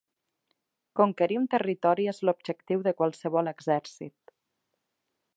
Conquerir un territori és l'objectiu de qualsevol exèrcit.